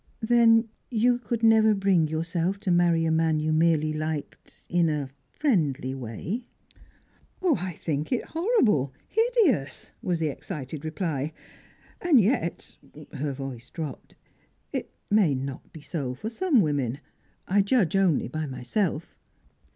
"Then, you could never bring yourself to marry a man you merely liked in a friendly way?" "I think it horrible, hideous!" was the excited reply. "And yet" her voice dropped "it may not be so for some women. I judge only by myself."